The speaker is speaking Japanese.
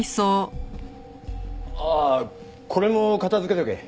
ああこれも片づけとけ。